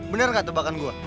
bener gak tebakan gue